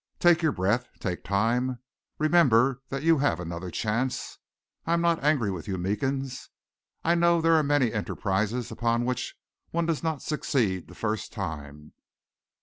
Take your breath, take time. Remember that you have another chance. I am not angry with you, Meekins. I know there are many enterprises upon which one does not succeed the first time.